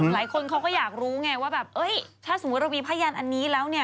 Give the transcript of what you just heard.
หลายคนเขาก็อยากรู้ไงว่าแบบเอ้ยถ้าสมมุติเรามีพยานอันนี้แล้วเนี่ย